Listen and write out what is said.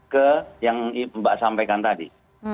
ke yang mbak sampaikan tadi